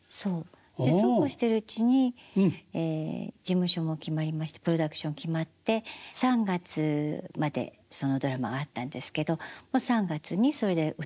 でそうこうしてるうちに事務所も決まりましてプロダクション決まって３月までそのドラマがあったんですけどもう３月に歌でデビュー。